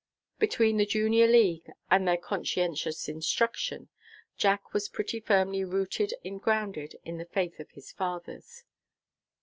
Between the Junior League and their conscientious instruction, Jack was pretty firmly "rooted and grounded" in the faith of his fathers.